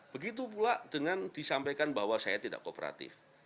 begitu pula dengan disampaikan bahwa saya tidak kooperatif